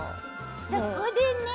そこでね。